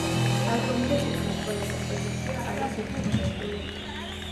ალბომზე თითქმის ყველა კომპოზიცია არის ინსტრუმენტული.